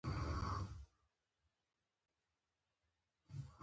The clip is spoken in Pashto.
سندره د جشنونو رنګ ده